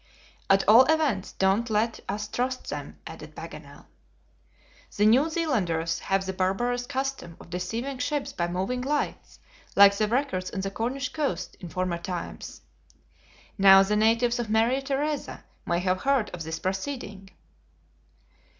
"At all events, don't let us trust them," added Paganel. "The New Zealanders have the barbarous custom of deceiving ships by moving lights, like the wreckers on the Cornish coast in former times. Now the natives of Maria Theresa may have heard of this proceeding."